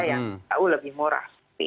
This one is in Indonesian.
yang tahu lebih murah